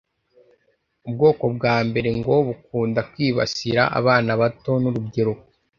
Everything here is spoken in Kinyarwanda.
ubwoko bwa mbere ngo bukunda kwibasira abana bato n'urubyiruko